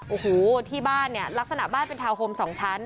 โอ้โหที่บ้านเนี่ยลักษณะบ้านเป็นทาวนโฮม๒ชั้น